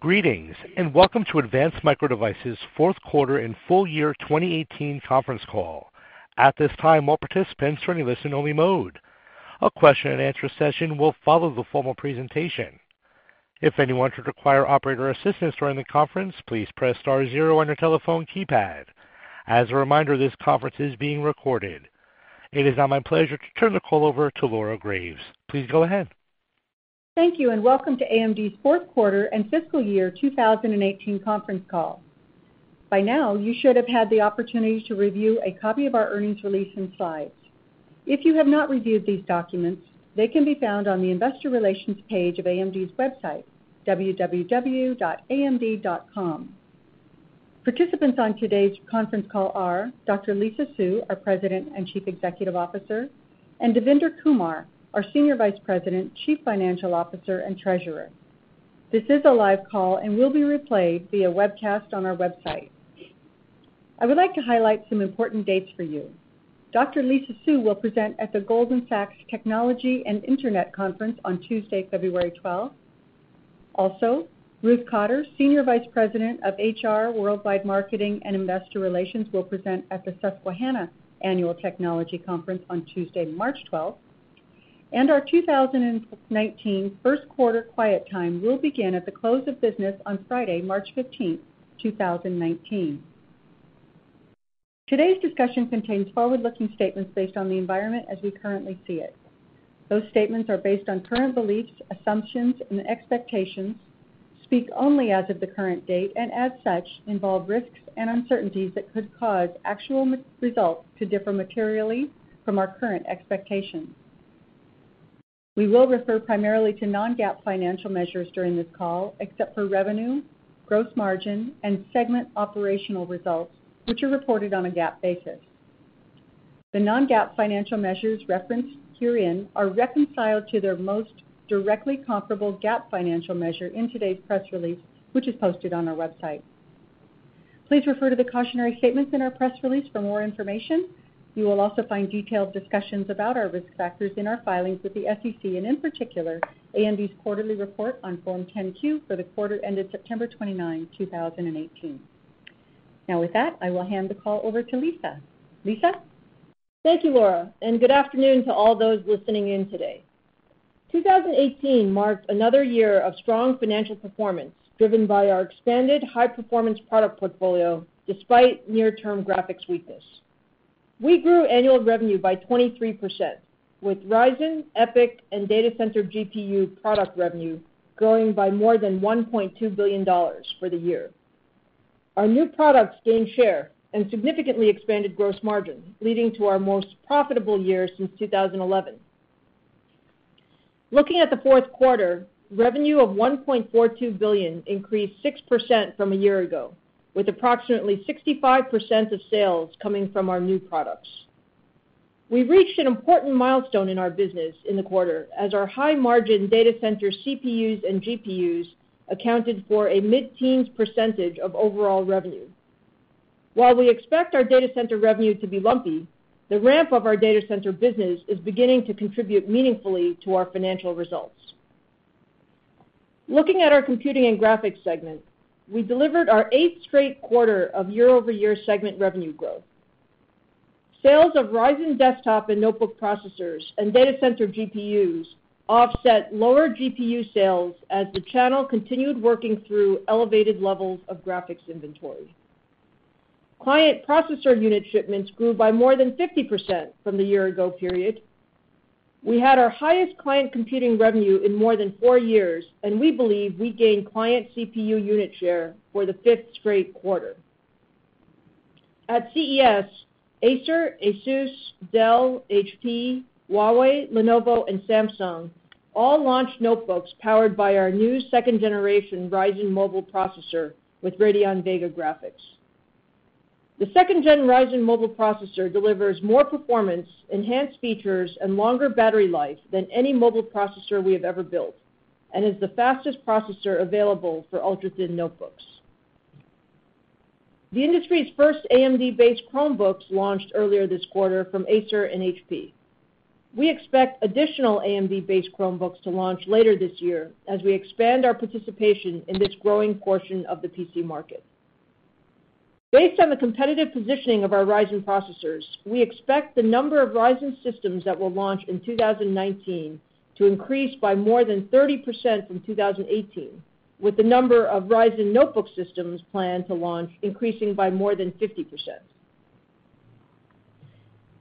Greetings, and welcome to Advanced Micro Devices' fourth quarter and full year 2018 conference call. At this time, all participants are in listen-only mode. A question and answer session will follow the formal presentation. If anyone should require operator assistance during the conference, please press star zero on your telephone keypad. As a reminder, this conference is being recorded. It is now my pleasure to turn the call over to Laura Graves. Please go ahead. Thank you, and welcome to AMD's fourth quarter and fiscal year 2018 conference call. By now, you should have had the opportunity to review a copy of our earnings release and slides. If you have not reviewed these documents, they can be found on the investor relations page of amd.com. Participants on today's conference call are Dr. Lisa Su, our President and Chief Executive Officer, and Devinder Kumar, our Senior Vice President, Chief Financial Officer, and Treasurer. This is a live call and will be replayed via webcast on our website. I would like to highlight some important dates for you. Dr. Lisa Su will present at the Goldman Sachs Technology and Internet Conference on Tuesday, February 12th. Also, Ruth Cotter, Senior Vice President of HR, Worldwide Marketing, and Investor Relations, will present at the Susquehanna Annual Technology Conference on Tuesday, March 12th. Our 2019 first quarter quiet time will begin at the close of business on Friday, March 15th, 2019. Today's discussion contains forward-looking statements based on the environment as we currently see it. Those statements are based on current beliefs, assumptions, and expectations, speak only as of the current date, and as such, involve risks and uncertainties that could cause actual results to differ materially from our current expectations. We will refer primarily to non-GAAP financial measures during this call, except for revenue, gross margin, and segment operational results, which are reported on a GAAP basis. The non-GAAP financial measures referenced herein are reconciled to their most directly comparable GAAP financial measure in today's press release, which is posted on our website. Please refer to the cautionary statements in our press release for more information. You will also find detailed discussions about our risk factors in our filings with the SEC and, in particular, AMD's quarterly report on Form 10-Q for the quarter ended September 29, 2018. Now with that, I will hand the call over to Lisa. Lisa? Thank you, Laura, and good afternoon to all those listening in today. 2018 marked another year of strong financial performance, driven by our expanded high-performance product portfolio despite near-term graphics weakness. We grew annual revenue by 23%, with Ryzen, EPYC, and data center GPU product revenue growing by more than $1.2 billion for the year. Our new products gained share and significantly expanded gross margin, leading to our most profitable year since 2011. Looking at the fourth quarter, revenue of $1.42 billion increased 6% from a year ago, with approximately 65% of sales coming from our new products. We reached an important milestone in our business in the quarter as our high-margin data center CPUs and GPUs accounted for a mid-teens percentage of overall revenue. While we expect our data center revenue to be lumpy, the ramp of our data center business is beginning to contribute meaningfully to our financial results. Looking at our Computing and Graphics segment, we delivered our eighth straight quarter of year-over-year segment revenue growth. Sales of Ryzen desktop and notebook processors and data center GPUs offset lower GPU sales as the channel continued working through elevated levels of graphics inventory. Client processor unit shipments grew by more than 50% from the year ago period. We had our highest client computing revenue in more than four years, and we believe we gained client CPU unit share for the fifth straight quarter. At CES, Acer, ASUS, Dell, HP, Huawei, Lenovo, and Samsung all launched notebooks powered by our new second-generation Ryzen mobile processor with Radeon Vega graphics. The second-gen Ryzen mobile processor delivers more performance, enhanced features, and longer battery life than any mobile processor we have ever built and is the fastest processor available for ultra-thin notebooks. The industry's first AMD-based Chromebooks launched earlier this quarter from Acer and HP. We expect additional AMD-based Chromebooks to launch later this year as we expand our participation in this growing portion of the PC market. Based on the competitive positioning of our Ryzen processors, we expect the number of Ryzen systems that will launch in 2019 to increase by more than 30% from 2018, with the number of Ryzen notebook systems planned to launch increasing by more than 50%.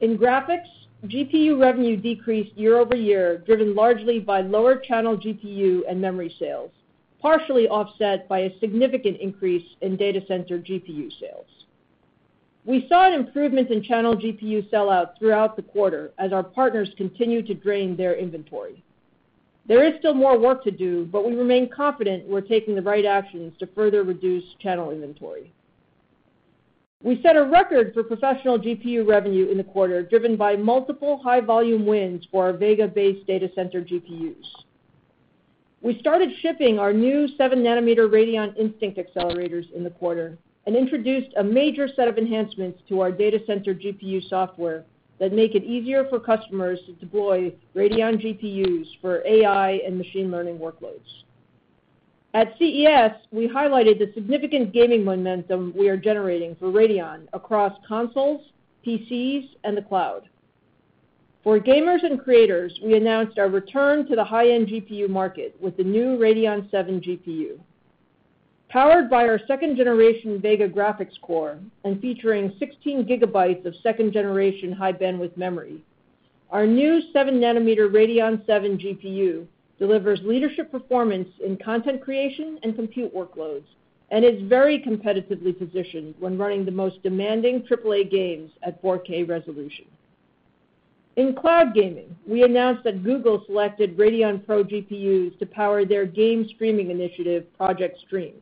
In graphics, GPU revenue decreased year-over-year, driven largely by lower channel GPU and memory sales, partially offset by a significant increase in data center GPU sales. We saw an improvement in channel GPU sell-out throughout the quarter as our partners continued to drain their inventory. There is still more work to do, but we remain confident we're taking the right actions to further reduce channel inventory. We set a record for professional GPU revenue in the quarter, driven by multiple high-volume wins for our Vega-based data center GPUs. We started shipping our new seven nanometer Radeon Instinct accelerators in the quarter and introduced a major set of enhancements to our data center GPU software that make it easier for customers to deploy Radeon GPUs for AI and machine learning workloads. At CES, we highlighted the significant gaming momentum we are generating for Radeon across consoles, PCs, and the cloud. For gamers and creators, we announced our return to the high-end GPU market with the new Radeon VII GPU. Powered by our second-generation Vega graphics core and featuring 16 GB of second-generation high bandwidth memory, our new 7 nanometer Radeon VII GPU delivers leadership performance in content creation and compute workloads and is very competitively positioned when running the most demanding triple-A games at 4K resolution. In cloud gaming, we announced that Google selected Radeon PRO GPUs to power their game streaming initiative, Project Stream.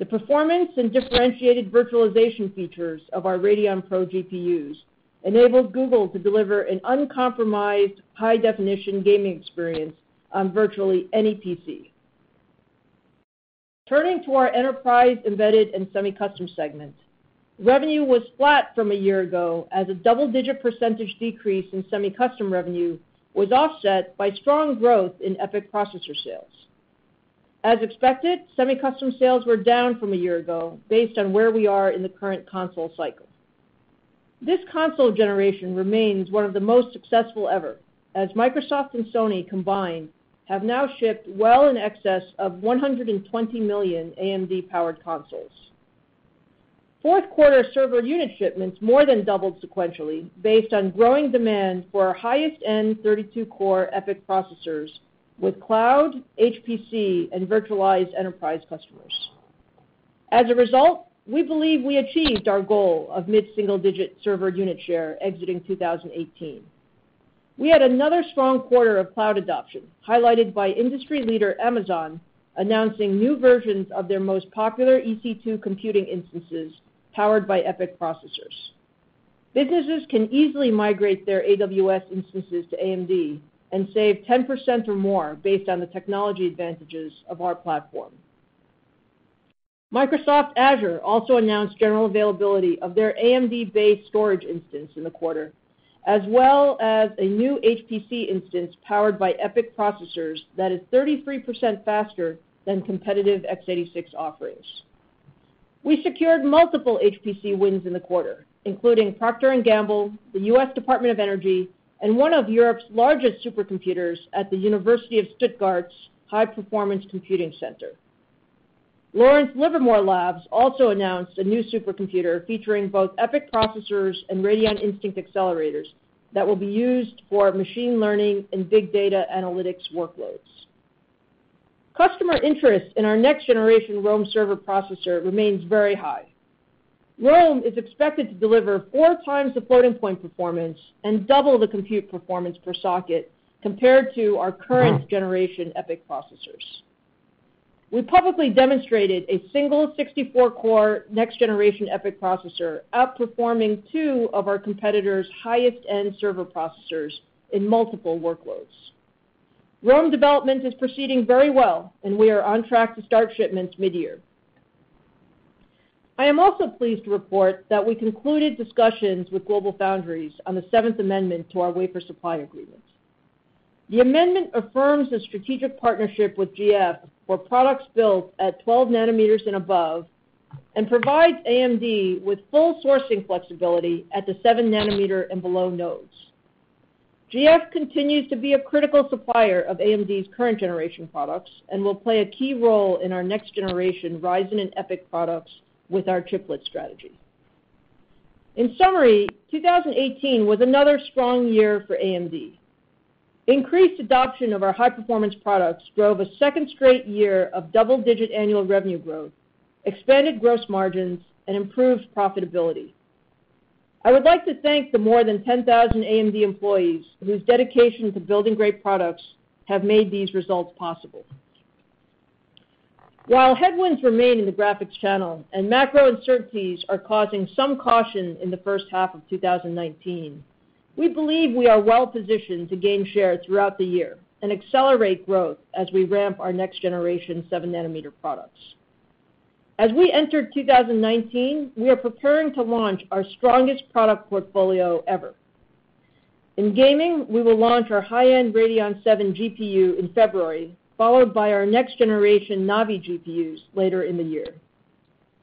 The performance and differentiated virtualization features of our Radeon PRO GPUs enabled Google to deliver an uncompromised high-definition gaming experience on virtually any PC. Turning to our Enterprise, Embedded and Semi-Custom segment, revenue was flat from a year ago as a double-digit % decrease in semi-custom revenue was offset by strong growth in EPYC processor sales. As expected, semi-custom sales were down from a year ago based on where we are in the current console cycle. This console generation remains one of the most successful ever, as Microsoft and Sony combined have now shipped well in excess of 120 million AMD-powered consoles. fourth quarter server unit shipments more than doubled sequentially based on growing demand for our highest-end 32-core EPYC processors with cloud, HPC, and virtualized enterprise customers. As a result, we believe we achieved our goal of mid-single-digit server unit share exiting 2018. We had another strong quarter of cloud adoption, highlighted by industry leader Amazon announcing new versions of their most popular EC2 computing instances powered by EPYC processors. Businesses can easily migrate their AWS instances to AMD and save 10% or more based on the technology advantages of our platform. Microsoft Azure also announced general availability of their AMD-based storage instance in the quarter, as well as a new HPC instance powered by EPYC processors that is 33% faster than competitive x86 offerings. We secured multiple HPC wins in the quarter, including Procter & Gamble, the U.S. Department of Energy, and one of Europe's largest supercomputers at the University of Stuttgart's High Performance Computing Center. Lawrence Livermore Labs also announced a new supercomputer featuring both EPYC processors and Radeon Instinct accelerators that will be used for machine learning and big data analytics workloads. Customer interest in our next-generation Rome server processor remains very high. Rome is expected to deliver 4 times the floating point performance and double the compute performance per socket compared to our current-generation EPYC processors. We publicly demonstrated a single 64-core next-generation EPYC processor outperforming two of our competitors' highest-end server processors in multiple workloads. Rome development is proceeding very well, and we are on track to start shipments mid-year. I am also pleased to report that we concluded discussions with GlobalFoundries on the seventh amendment to our wafer supply agreement. The amendment affirms the strategic partnership with GF for products built at 12 nanometers and above and provides AMD with full sourcing flexibility at the 7 nanometer and below nodes. GF continues to be a critical supplier of AMD's current-generation products and will play a key role in our next-generation Ryzen and EPYC products with our chiplet strategy. In summary, 2018 was another strong year for AMD. Increased adoption of our high-performance products drove a second straight year of double-digit annual revenue growth, expanded gross margins, and improved profitability. I would like to thank the more than 10,000 AMD employees whose dedication to building great products have made these results possible. While headwinds remain in the graphics channel and macro uncertainties are causing some caution in the first half of 2019, we believe we are well positioned to gain share throughout the year and accelerate growth as we ramp our next generation seven nanometer products. As we enter 2019, we are preparing to launch our strongest product portfolio ever. In gaming, we will launch our high-end Radeon VII GPU in February, followed by our next generation Navi GPUs later in the year.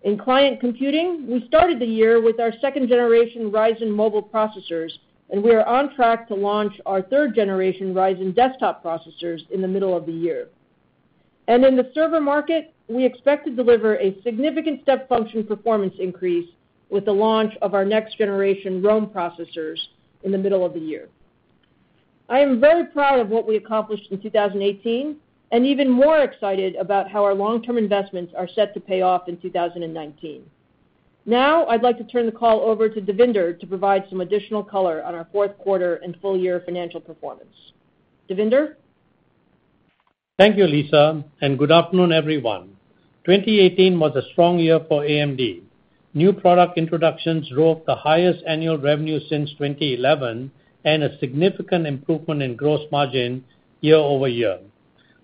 In client computing, we started the year with our second generation Ryzen mobile processors and we are on track to launch our third generation Ryzen desktop processors in the middle of the year. In the server market, we expect to deliver a significant step function performance increase with the launch of our next generation Rome processors in the middle of the year. I am very proud of what we accomplished in 2018 and even more excited about how our long-term investments are set to pay off in 2019. Now, I'd like to turn the call over to Devinder to provide some additional color on our fourth quarter and full year financial performance. Devinder? Thank you, Lisa, and good afternoon, everyone. 2018 was a strong year for AMD. New product introductions drove the highest annual revenue since 2011 and a significant improvement in gross margin year-over-year.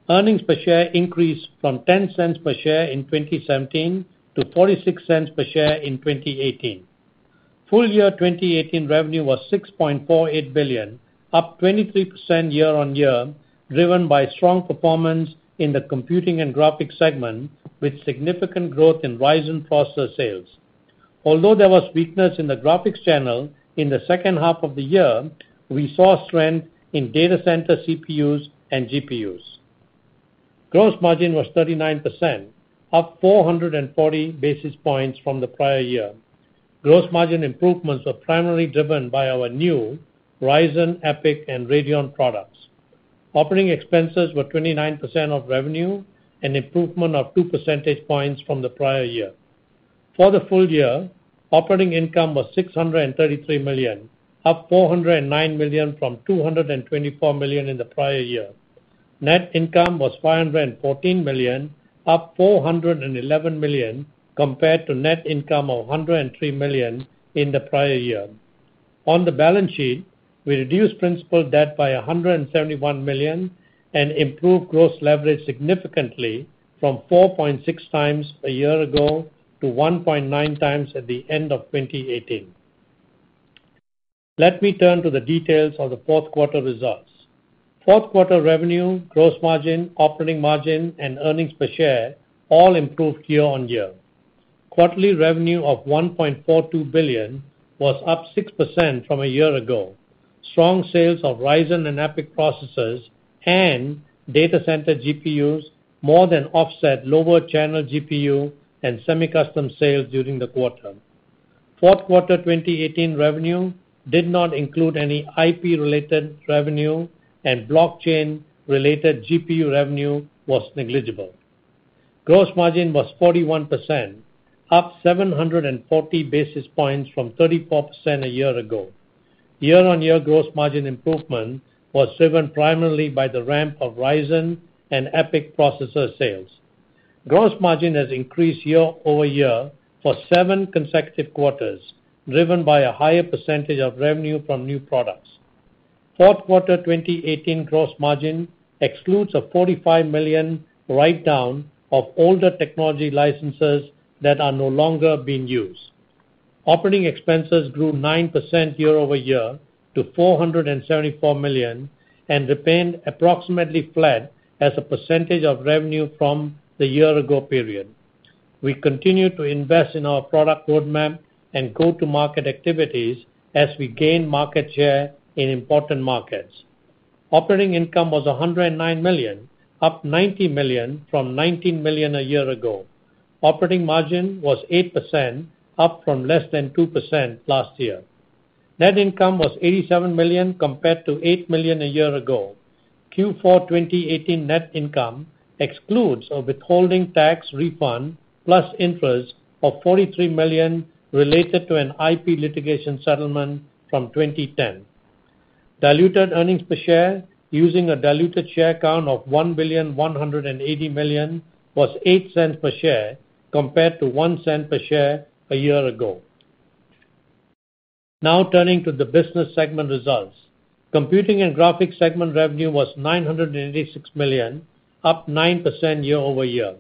Earnings per share increased from $0.10 per share in 2017 to $0.46 per share in 2018. Full year 2018 revenue was $6.48 billion, up 23% year-on-year, driven by strong performance in the Computing and Graphics segment, with significant growth in Ryzen processor sales. Although there was weakness in the graphics channel in the second half of the year, we saw strength in data center CPUs and GPUs. Gross margin was 39%, up 440 basis points from the prior year. Gross margin improvements were primarily driven by our new Ryzen, EPYC, and Radeon products. Operating expenses were 29% of revenue, an improvement of two percentage points from the prior year. For the full year, operating income was $633 million, up $409 million from $224 million in the prior year. Net income was $514 million, up $411 million compared to net income of $103 million in the prior year. On the balance sheet, we reduced principal debt by $171 million and improved gross leverage significantly from 4.6 times a year ago to 1.9 times at the end of 2018. Let me turn to the details of the fourth quarter results. Fourth quarter revenue, gross margin, operating margin, and earnings per share all improved year-on-year. Quarterly revenue of $1.42 billion was up 6% from a year ago. Strong sales of Ryzen and EPYC processors and data center GPUs more than offset lower channel GPU and semi-custom sales during the quarter. Fourth quarter 2018 revenue did not include any IP-related revenue, and blockchain-related GPU revenue was negligible. Gross margin was 41%, up 740 basis points from 34% a year ago. Year-over-year gross margin improvement was driven primarily by the ramp of Ryzen and EPYC processor sales. Gross margin has increased year-over-year for seven consecutive quarters, driven by a higher percentage of revenue from new products. Fourth quarter 2018 gross margin excludes a $45 million write-down of older technology licenses that are no longer being used. Operating expenses grew 9% year-over-year to $474 million and remained approximately flat as a percentage of revenue from the year-ago period. We continue to invest in our product roadmap and go-to-market activities as we gain market share in important markets. Operating income was $109 million, up $90 million from $19 million a year ago. Operating margin was 8%, up from less than 2% last year. Net income was $87 million compared to $8 million a year ago. Q4 2018 net income excludes a withholding tax refund plus interest of $43 million related to an IP litigation settlement from 2010. Diluted earnings per share using a diluted share count of 1,180,000,000 was $0.08 per share compared to $0.01 per share a year ago. Now turning to the business segment results. Computing and Graphics segment revenue was $986 million, up 9% year-over-year.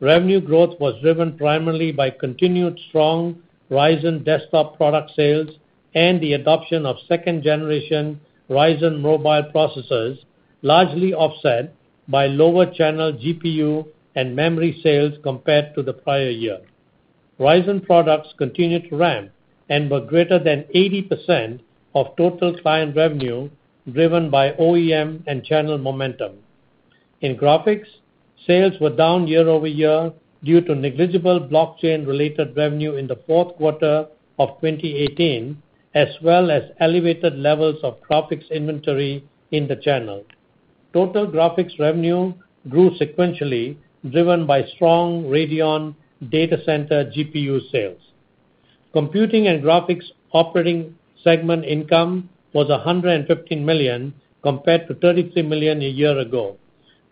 Revenue growth was driven primarily by continued strong Ryzen desktop product sales and the adoption of second-generation Ryzen mobile processors, largely offset by lower channel GPU and memory sales compared to the prior year. Ryzen products continued to ramp and were greater than 80% of total client revenue, driven by OEM and channel momentum. In graphics, sales were down year-over-year due to negligible blockchain-related revenue in the fourth quarter of 2018, as well as elevated levels of graphics inventory in the channel. Total graphics revenue grew sequentially, driven by strong Radeon data center GPU sales. Computing and Graphics operating segment income was $115 million, compared to $33 million a year ago.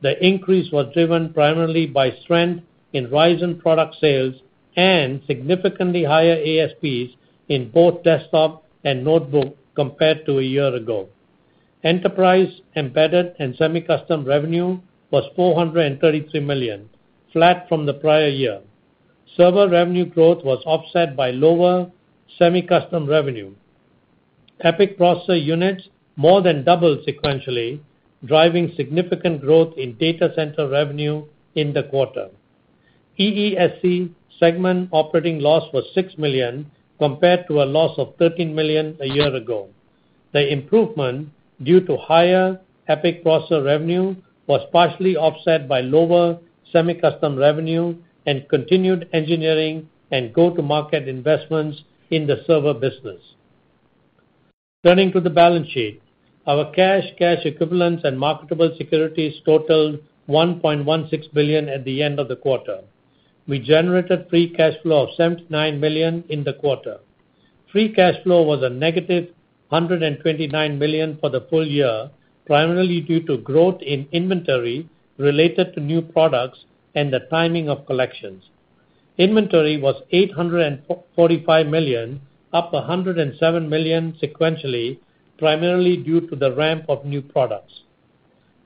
The increase was driven primarily by strength in Ryzen product sales and significantly higher ASPs in both desktop and notebook compared to a year ago. Enterprise, Embedded and Semi-Custom revenue was $433 million, flat from the prior year. Server revenue growth was offset by lower semi-custom revenue. EPYC processor units more than doubled sequentially, driving significant growth in data center revenue in the quarter. EESC segment operating loss was $6 million, compared to a loss of $13 million a year ago. The improvement, due to higher EPYC processor revenue, was partially offset by lower semi-custom revenue and continued engineering and go-to-market investments in the server business. Turning to the balance sheet. Our cash equivalents, and marketable securities totaled $1.16 billion at the end of the quarter. We generated free cash flow of $79 million in the quarter. Free cash flow was a negative $129 million for the full year, primarily due to growth in inventory related to new products and the timing of collections. Inventory was $845 million, up $107 million sequentially, primarily due to the ramp of new products.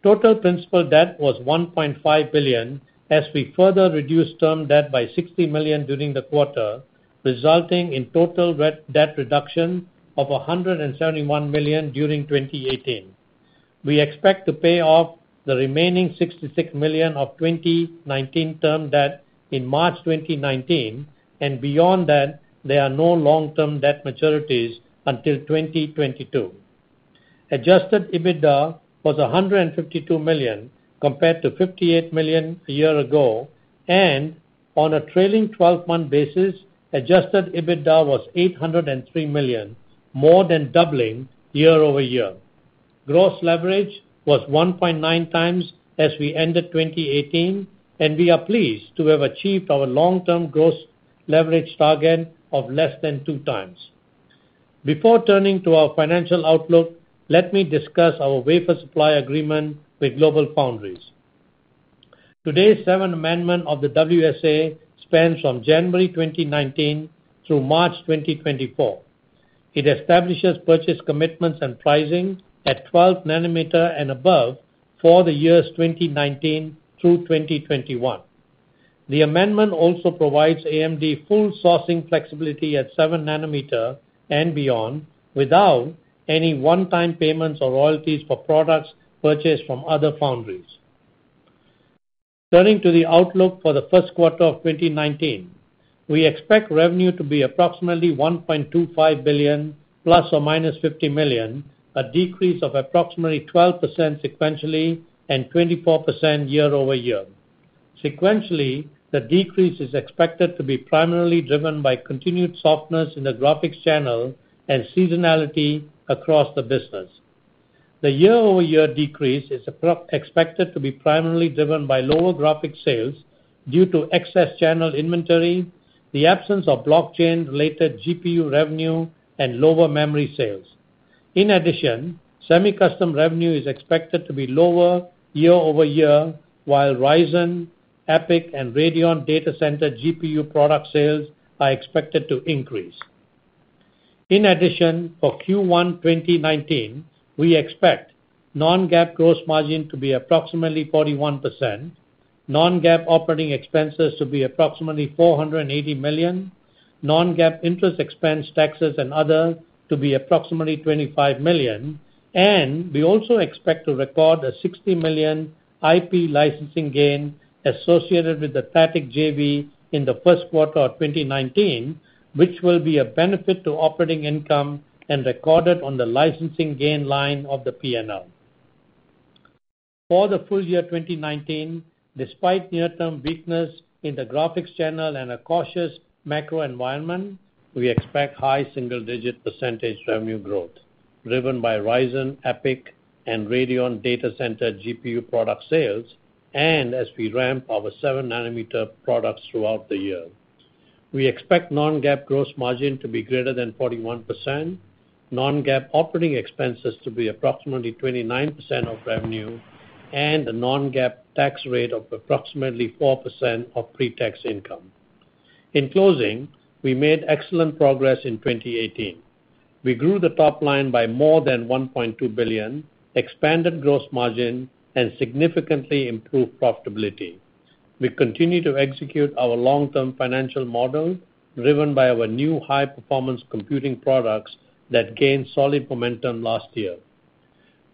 Total principal debt was $1.5 billion as we further reduced term debt by $60 million during the quarter, resulting in total debt reduction of $171 million during 2018. We expect to pay off the remaining $66 million of 2019 term debt in March 2019, and beyond that, there are no long-term debt maturities until 2022. Adjusted EBITDA was $152 million compared to $58 million a year ago, and on a trailing 12-month basis, adjusted EBITDA was $803 million, more than doubling year-over-year. Gross leverage was 1.9 times as we ended 2018, and we are pleased to have achieved our long-term gross leverage target of less than two times. Before turning to our financial outlook, let me discuss our wafer supply agreement with GlobalFoundries. Today's seventh amendment of the WSA spans from January 2019 through March 2024. It establishes purchase commitments and pricing at 12 nanometer and above for the years 2019 through 2021. The amendment also provides AMD full sourcing flexibility at seven nanometer and beyond without any one-time payments or royalties for products purchased from other foundries. Turning to the outlook for the first quarter of 2019, we expect revenue to be approximately $1.25 billion ±$50 million, a decrease of approximately 12% sequentially and 24% year-over-year. Sequentially, the decrease is expected to be primarily driven by continued softness in the graphics channel and seasonality across the business. The year-over-year decrease is expected to be primarily driven by lower graphics sales due to excess channel inventory, the absence of blockchain-related GPU revenue, and lower memory sales. In addition, semi-custom revenue is expected to be lower year-over-year, while Ryzen, EPYC, and Radeon data center GPU product sales are expected to increase. In addition, for Q1 2019, we expect non-GAAP gross margin to be approximately 41%, non-GAAP operating expenses to be approximately $480 million, non-GAAP interest expense, taxes, and other to be approximately $25 million. We also expect to record a $60 million IP licensing gain associated with the THATIC JV in the first quarter of 2019, which will be a benefit to operating income and recorded on the licensing gain line of the P&L. For the full year 2019, despite near-term weakness in the graphics channel and a cautious macro environment, we expect high single-digit percentage revenue growth driven by Ryzen, EPYC, and Radeon data center GPU product sales, as we ramp our seven-nanometer products throughout the year. We expect non-GAAP gross margin to be greater than 41%, non-GAAP operating expenses to be approximately 29% of revenue, and a non-GAAP tax rate of approximately 4% of pre-tax income. In closing, we made excellent progress in 2018. We grew the top line by more than $1.2 billion, expanded gross margin, and significantly improved profitability. We continue to execute our long-term financial model driven by our new high-performance computing products that gained solid momentum last year.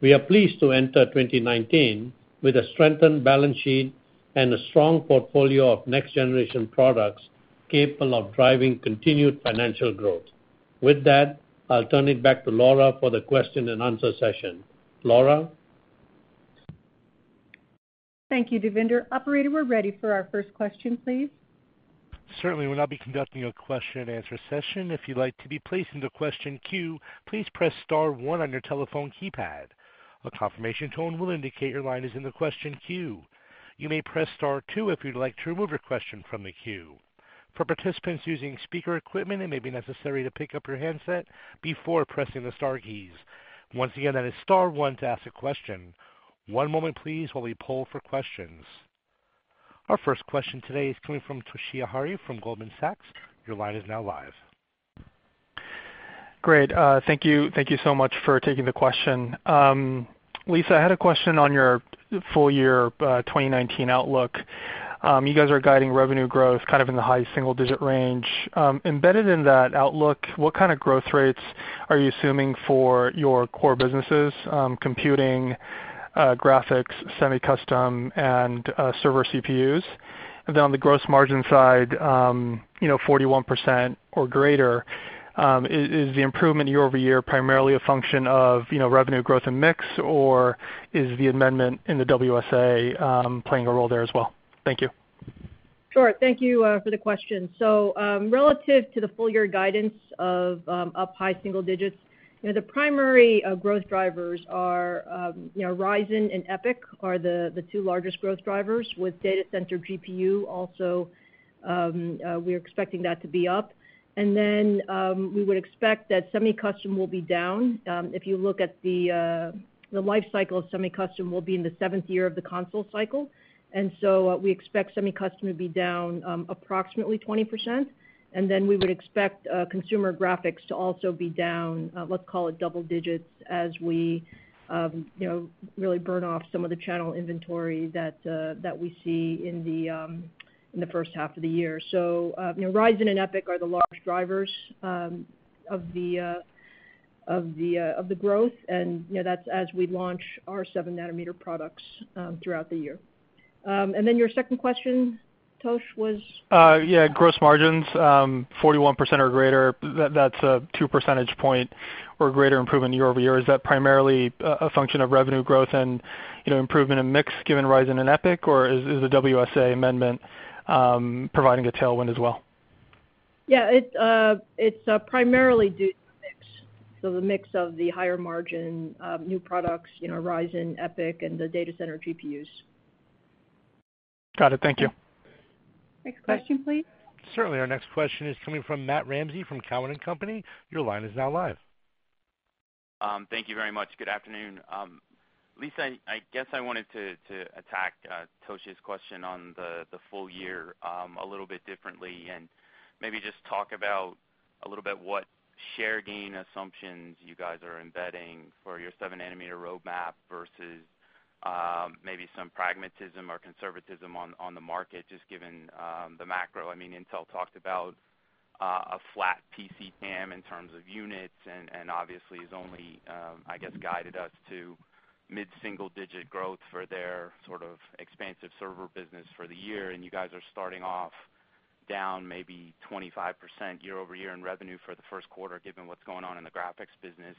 We are pleased to enter 2019 with a strengthened balance sheet and a strong portfolio of next-generation products capable of driving continued financial growth. With that, I'll turn it back to Laura for the question and answer session. Laura? Thank you, Devinder. Operator, we are ready for our first question, please. Certainly. We will now be conducting a question and answer session. If you would like to be placed into question queue, please press star one on your telephone keypad. A confirmation tone will indicate your line is in the question queue. You may press star two if you would like to remove your question from the queue. For participants using speaker equipment, it may be necessary to pick up your handset before pressing the star keys. Once again, that is star one to ask a question. One moment please while we poll for questions. Our first question today is coming from Toshiya Hari from Goldman Sachs. Your line is now live. Great. Thank you so much for taking the question. Lisa, I had a question on your full-year 2019 outlook. You guys are guiding revenue growth in the high single-digit range. Embedded in that outlook, what kind of growth rates are you assuming for your core businesses, computing, graphics, semi-custom, and server CPUs? On the gross margin side, 41% or greater, is the improvement year-over-year primarily a function of revenue growth and mix, or is the amendment in the WSA playing a role there as well? Thank you. Sure. Thank you for the question. Relative to the full year guidance of up high single digits, the primary growth drivers are Ryzen and EPYC, are the two largest growth drivers with data center GPU also, we are expecting that to be up. We would expect that semi-custom will be down. If you look at the life cycle of semi-custom will be in the seventh year of the console cycle. We expect semi-custom to be down approximately 20%. We would expect consumer graphics to also be down, let's call it double digits, as we really burn off some of the channel inventory that we see in the first half of the year. Ryzen and EPYC are the largest drivers of the growth, and that is as we launch our seven nanometer products throughout the year. Your second question, Tosh, was? Yeah. Gross margins, 41% or greater, that's a two percentage point or greater improvement year-over-year. Is that primarily a function of revenue growth and improvement in mix given Ryzen and EPYC, or is the WSA amendment providing a tailwind as well? Yeah. It's primarily due to mix. The mix of the higher margin of new products, Ryzen, EPYC, and the data center GPUs. Got it. Thank you. Yeah. Next question, please. Certainly. Our next question is coming from Matthew Ramsay from Cowen and Company. Your line is now live. Thank you very much. Good afternoon. Lisa, I guess I wanted to attack Tosh's question on the full year a little bit differently, and maybe just talk about a little bit what share gain assumptions you guys are embedding for your seven nanometer roadmap versus maybe some pragmatism or conservatism on the market, just given the macro. Intel talked about a flat PC TAM in terms of units, and obviously has only, I guess, guided us to mid-single digit growth for their sort of expansive server business for the year, and you guys are starting off down maybe 25% year-over-year in revenue for the first quarter, given what's going on in the graphics business.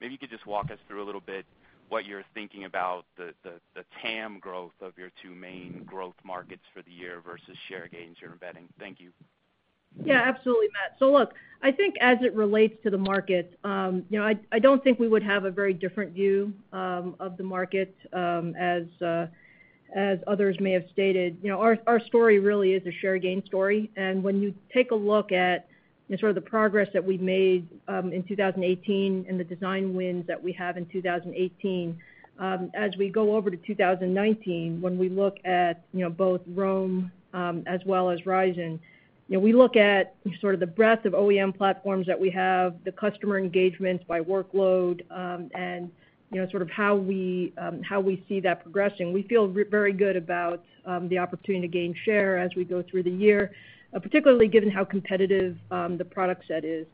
Maybe you could just walk us through a little bit what you're thinking about the TAM growth of your two main growth markets for the year versus share gains you're embedding. Thank you. Yeah, absolutely Matt. Look, I think as it relates to the market, I don't think we would have a very different view of the market, as others may have stated. Our story really is a share gain story, and when you take a look at sort of the progress that we've made in 2018 and the design wins that we have in 2018, as we go over to 2019, when we look at both Rome, as well as Ryzen, we look at sort of the breadth of OEM platforms that we have, the customer engagement by workload, and sort of how we see that progressing. We feel very good about the opportunity to gain share as we go through the year, particularly given how competitive the product set is.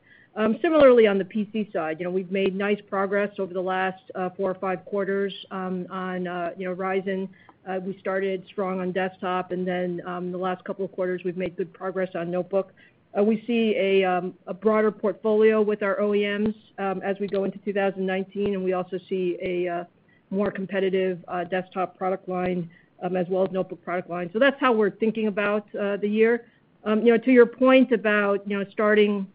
Similarly, on the PC side, we've made nice progress over the last four or five quarters on Ryzen. We started strong on desktop, the last couple of quarters, we've made good progress on notebook. We see a broader portfolio with our OEMs as we go into 2019, we also see a more competitive desktop product line as well as notebook product line. That's how we're thinking about the year. To your point about starting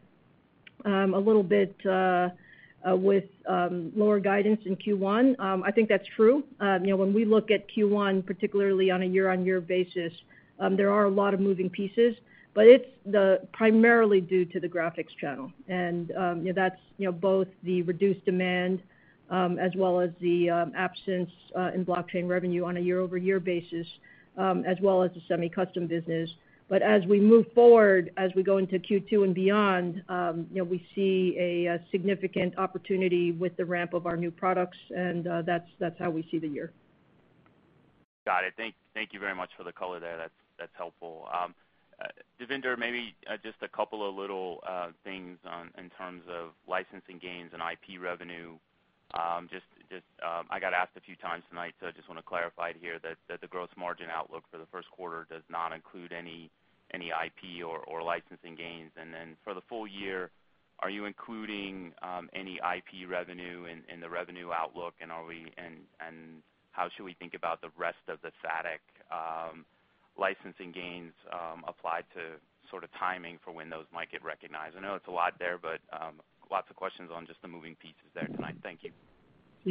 a little bit with lower guidance in Q1, I think that's true. When we look at Q1, particularly on a year-on-year basis, there are a lot of moving pieces, but it's primarily due to the graphics channel. That's both the reduced demand as well as the absence in blockchain revenue on a year-over-year basis, as well as the semi-custom business. As we move forward, as we go into Q2 and beyond, we see a significant opportunity with the ramp of our new products, and that's how we see the year. Got it. Thank you very much for the color there. That's helpful. Devinder, maybe just a couple of little things in terms of licensing gains and IP revenue. I got asked a few times tonight, so I just want to clarify it here that the gross margin outlook for the first quarter does not include any IP or licensing gains. For the full year, are you including any IP revenue in the revenue outlook, and how should we think about the rest of the THATIC licensing gains applied to sort of timing for when those might get recognized? I know it's a lot there, but lots of questions on just the moving pieces there tonight. Thank you.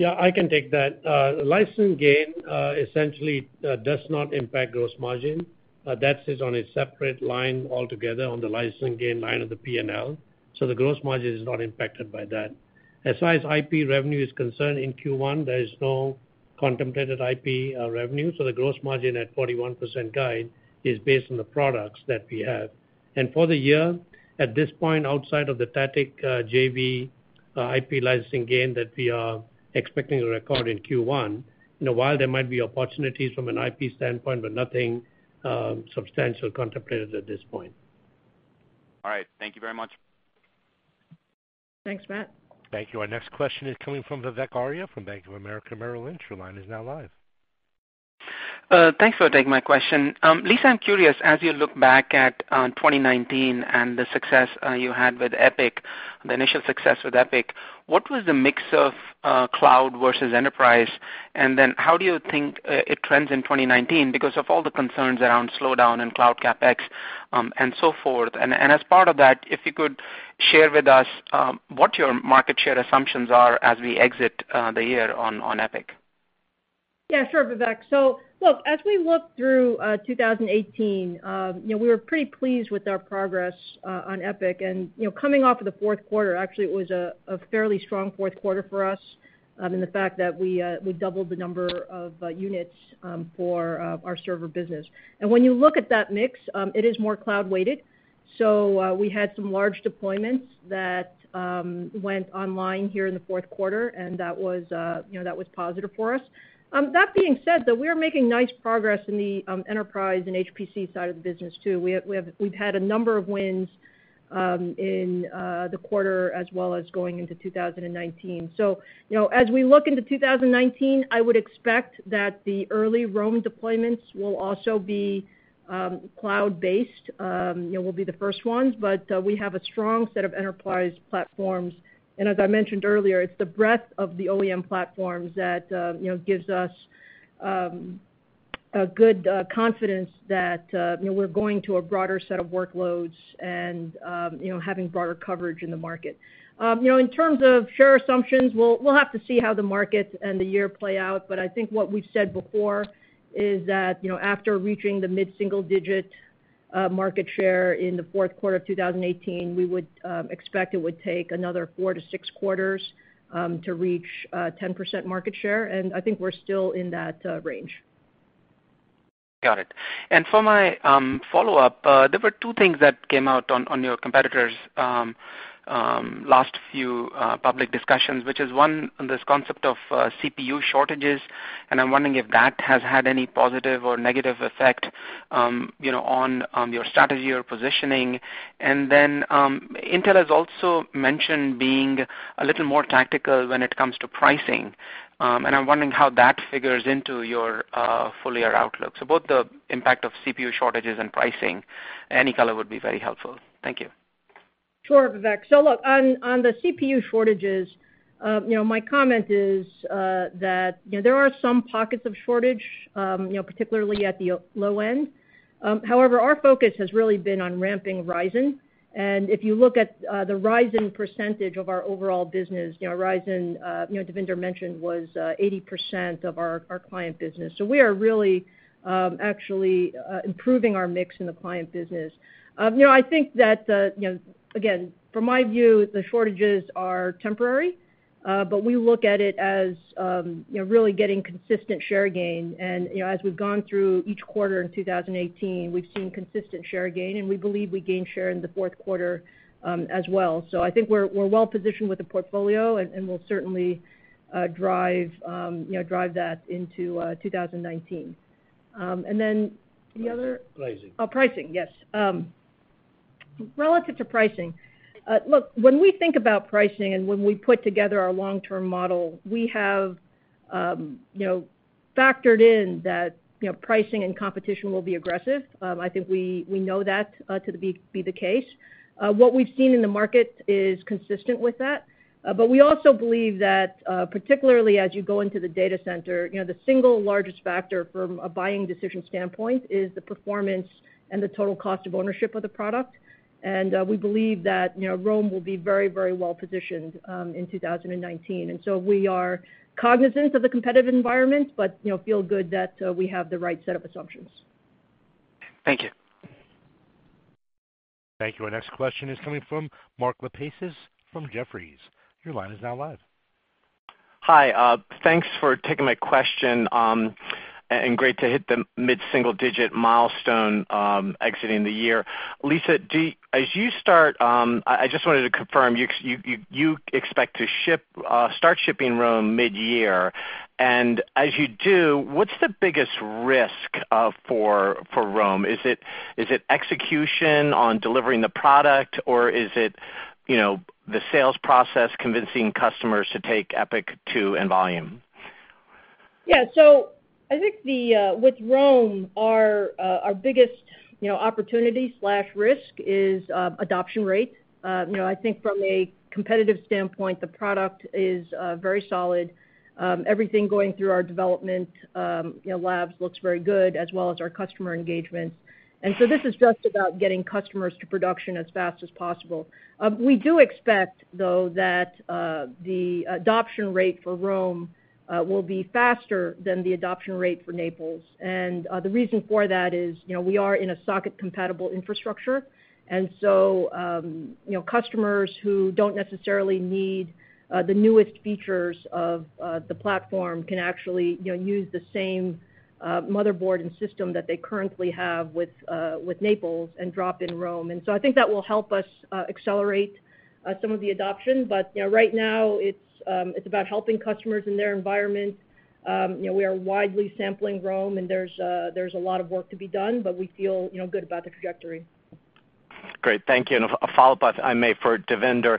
I can take that. License gain essentially does not impact gross margin. That sits on a separate line altogether on the license gain line of the P&L. The gross margin is not impacted by that. As far as IP revenue is concerned, in Q1, there is no contemplated IP revenue, so the gross margin at 41% guide is based on the products that we have. For the year, at this point, outside of the THATIC JV IP licensing gain that we are expecting to record in Q1, while there might be opportunities from an IP standpoint, but nothing substantial contemplated at this point. Thank you very much. Thanks, Matt. Thank you. Our next question is coming from Vivek Arya from Bank of America Merrill Lynch. Your line is now live. Thanks for taking my question. Lisa, I'm curious, as you look back at 2019 and the initial success you had with EPYC, what was the mix of cloud versus enterprise? How do you think it trends in 2019 because of all the concerns around slowdown and cloud CapEx, and so forth. If you could share with us what your market share assumptions are as we exit the year on EPYC. Yeah, sure, Vivek. As we look through 2018, we were pretty pleased with our progress on EPYC, and coming off of the fourth quarter, actually, it was a fairly strong fourth quarter for us in the fact that we doubled the number of units for our server business. When you look at that mix, it is more cloud-weighted. We had some large deployments that went online here in the fourth quarter, and that was positive for us. That being said, though, we are making nice progress in the enterprise and HPC side of the business, too. We've had a number of wins in the quarter, as well as going into 2019. As we look into 2019, I would expect that the early Rome deployments will also be cloud-based, will be the first ones. We have a strong set of enterprise platforms, and as I mentioned earlier, it's the breadth of the OEM platforms that gives us a good confidence that we're going to a broader set of workloads and having broader coverage in the market. In terms of share assumptions, we'll have to see how the market and the year play out, but I think what we've said before is that after reaching the mid-single-digit market share in the fourth quarter of 2018, we would expect it would take another 4 to 6 quarters to reach 10% market share, and I think we're still in that range. Got it. For my follow-up, there were two things that came out on your competitors' last few public discussions, which is, one, this concept of CPU shortages, and I'm wondering if that has had any positive or negative effect on your strategy or positioning. Intel has also mentioned being a little more tactical when it comes to pricing, and I'm wondering how that figures into your full-year outlook. Both the impact of CPU shortages and pricing, any color would be very helpful. Thank you. Sure, Vivek. Look, on the CPU shortages, my comment is that there are some pockets of shortage, particularly at the low end. However, our focus has really been on ramping Ryzen, and if you look at the Ryzen percentage of our overall business, Ryzen, Devinder mentioned, was 80% of our client business. We are really actually improving our mix in the client business. I think that, again, from my view, the shortages are temporary, but we look at it as really getting consistent share gain. As we've gone through each quarter in 2018, we've seen consistent share gain, and we believe we gained share in the fourth quarter as well. I think we're well-positioned with the portfolio, and we'll certainly drive that into 2019. The other- Pricing. Pricing, yes. Relative to pricing, look, when we think about pricing and when we put together our long-term model, we have factored in that pricing and competition will be aggressive. I think we know that to be the case. What we've seen in the market is consistent with that. We also believe that, particularly as you go into the data center, the single largest factor from a buying decision standpoint is the performance and the total cost of ownership of the product. We believe that Rome will be very well-positioned in 2019. We are cognizant of the competitive environment but feel good that we have the right set of assumptions. Thank you. Thank you. Our next question is coming from Mark Lipacis from Jefferies. Your line is now live. Hi. Thanks for taking my question, great to hit the mid-single-digit milestone exiting the year. Lisa, I just wanted to confirm, you expect to start shipping Rome mid-year. As you do, what's the biggest risk for Rome? Is it execution on delivering the product, or is it the sales process convincing customers to take EPYC 2 in volume? Yeah. I think with Rome, our biggest opportunity/risk is adoption rate. I think from a competitive standpoint, the product is very solid. Everything going through our development labs looks very good, as well as our customer engagement. This is just about getting customers to production as fast as possible. We do expect, though, that the adoption rate for Rome will be faster than the adoption rate for Naples. The reason for that is we are in a socket-compatible infrastructure. Customers who don't necessarily need the newest features of the platform can actually use the same motherboard and system that they currently have with Naples and drop in Rome. I think that will help us accelerate some of the adoption. Right now, it's about helping customers in their environment. We are widely sampling Rome. There's a lot of work to be done, but we feel good about the trajectory. Great. Thank you. A follow-up, if I may, for Devinder.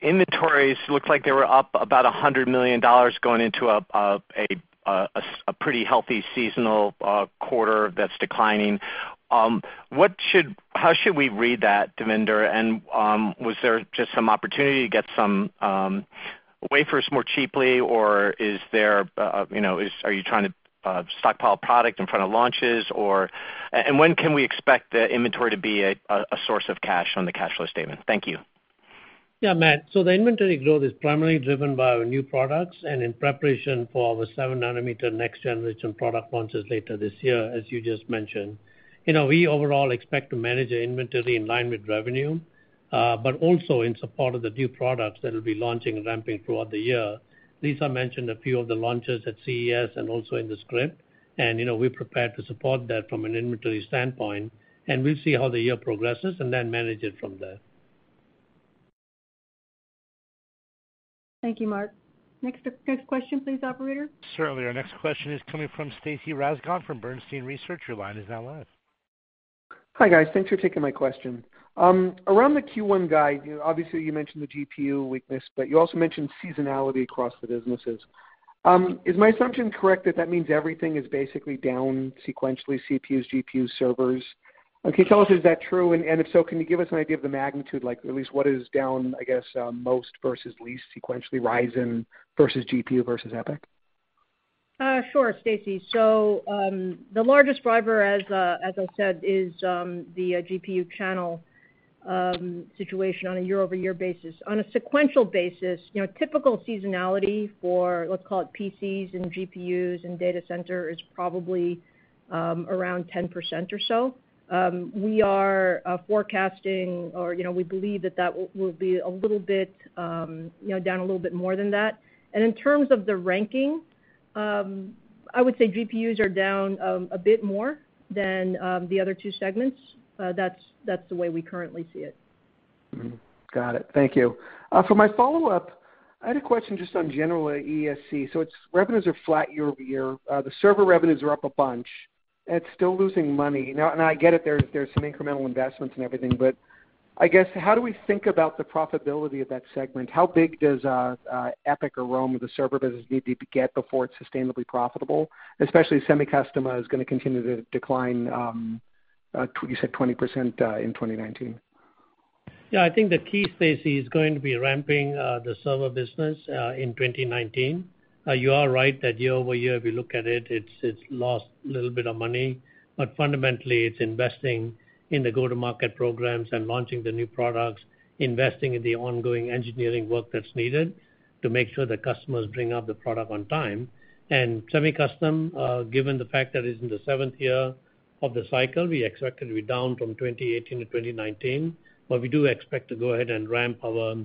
Inventories look like they were up about $100 million going into a pretty healthy seasonal quarter that's declining. How should we read that, Devinder? Was there just some opportunity to get some wafers more cheaply, or are you trying to stockpile product in front of launches? When can we expect the inventory to be a source of cash on the cash flow statement? Thank you. Yeah, Matt. The inventory growth is primarily driven by our new products and in preparation for our seven-nanometer next generation product launches later this year, as you just mentioned. We overall expect to manage the inventory in line with revenue, also in support of the new products that'll be launching and ramping throughout the year. Lisa mentioned a few of the launches at CES and also in the script. We're prepared to support that from an inventory standpoint. We'll see how the year progresses and then manage it from there. Thank you, Mark. Next question please, operator. Certainly. Our next question is coming from Stacy Rasgon from Bernstein Research. Your line is now live. Hi, guys. Thanks for taking my question. Around the Q1 guide, obviously you mentioned the GPU weakness, but you also mentioned seasonality across the businesses. Is my assumption correct that that means everything is basically down sequentially, CPUs, GPUs, servers? Can you tell us, is that true, and if so, can you give us an idea of the magnitude, like at least what is down, I guess, most versus least sequentially, Ryzen versus GPU versus EPYC? Sure, Stacy. The largest driver, as I said, is the GPU channel situation on a year-over-year basis. On a sequential basis, typical seasonality for, let's call it PCs and GPUs and data center, is probably around 10% or so. We are forecasting, or we believe that that will be down a little bit more than that. In terms of the ranking, I would say GPUs are down a bit more than the other two segments. That's the way we currently see it. Got it. Thank you. For my follow-up, I had a question just on general EESC. Its revenues are flat year-over-year. The server revenues are up a bunch. It's still losing money. I get it, there's some incremental investments and everything, but I guess, how do we think about the profitability of that segment? How big does EPYC or Rome, the server business, need to get before it's sustainably profitable, especially semi-custom is going to continue to decline, you said 20% in 2019? Yeah, I think the key, Stacy, is going to be ramping the server business in 2019. You are right that year-over-year, if you look at it's lost a little bit of money, but fundamentally, it's investing in the go-to-market programs and launching the new products, investing in the ongoing engineering work that's needed to make sure the customers bring up the product on time. Semi-custom, given the fact that it's in the seventh year of the cycle, we expect it to be down from 2018 to 2019. We do expect to go ahead and ramp our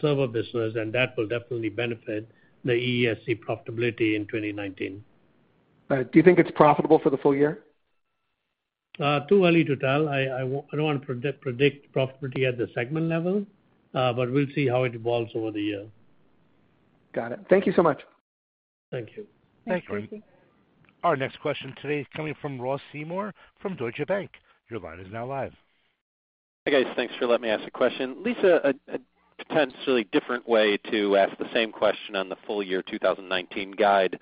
server business, and that will definitely benefit the EESC profitability in 2019. Do you think it's profitable for the full year? Too early to tell. I don't want to predict profitability at the segment level. We'll see how it evolves over the year. Got it. Thank you so much. Thank you. Thanks, Stacy. Our next question today is coming from Ross Seymore from Deutsche Bank. Your line is now live. Hey, guys. Thanks for letting me ask a question. Lisa, a potentially different way to ask the same question on the full year 2019 guide.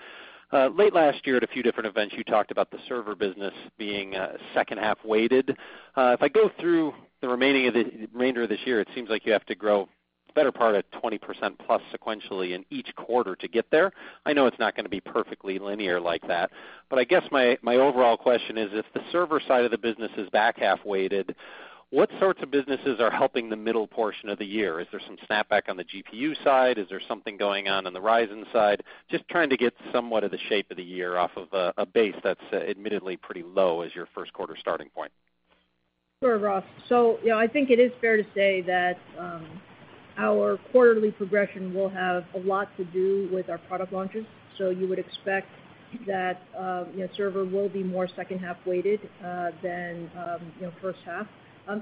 Late last year at a few different events, you talked about the server business being second half weighted. If I go through the remainder of this year, it seems like you have to grow the better part of 20% plus sequentially in each quarter to get there. I know it's not going to be perfectly linear like that, but I guess my overall question is, if the server side of the business is back half weighted, what sorts of businesses are helping the middle portion of the year? Is there some snapback on the GPU side? Is there something going on the Ryzen side? Just trying to get somewhat of the shape of the year off of a base that's admittedly pretty low as your first quarter starting point. Sure, Ross. I think it is fair to say that our quarterly progression will have a lot to do with our product launches. You would expect that server will be more second half weighted than first half.